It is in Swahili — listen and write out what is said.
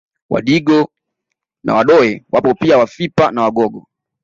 Wadigo na Wadoe wapo pia Wafipa na Wagogo